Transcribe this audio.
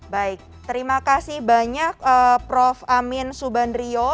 baik terima kasih banyak prof amin subandrio